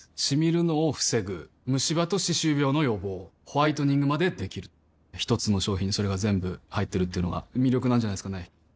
シミるのを防ぐムシ歯と歯周病の予防ホワイトニングまで出来る一つの商品にそれが全部入ってるっていうのが魅力なんじゃないですかね